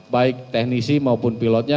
baik teknisi maupun pilotnya